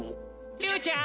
竜ちゃん！